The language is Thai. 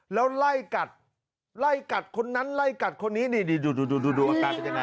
แล้วไล่กัดไล่กัดคนนั้นไล่กัดคนนี้นี่ดูอาการเป็นยังไง